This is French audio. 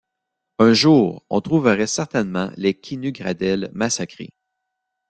Un jour, on trouverait certainement les Quenu-Gradelle massacrés.